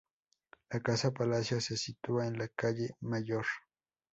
La casa-palacio se sitúa en la calle Mayor.